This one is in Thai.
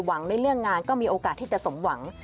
ในเรื่องงานก็มีโอกาสที่จะสมหวัง